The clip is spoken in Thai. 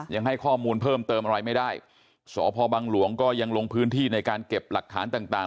ยังให้ข้อมูลเพิ่มเติมอะไรไม่ได้สพบังหลวงก็ยังลงพื้นที่ในการเก็บหลักฐานต่างต่าง